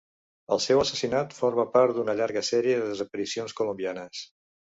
El seu assassinat forma part d'una llarga sèrie de desaparicions colombianes.